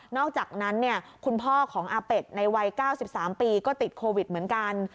อกจากนั้นคุณพ่อของอาเป็ดในวัย๙๓ปีก็ติดโควิดเหมือนกัน